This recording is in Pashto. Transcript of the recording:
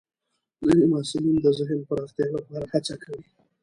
ځینې محصلین د ذهن پراختیا لپاره هڅه کوي.